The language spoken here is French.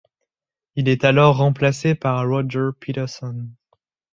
Il est alors remplacé par Roger Pettersson.